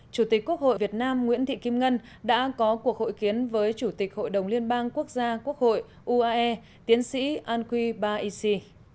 chủ tịch quốc hội việt nam nguyễn thị kim ngân đã có cuộc hội kiến với chủ tịch hội đồng liên bang quốc gia quốc hội uae tiến sĩ anqui ba isi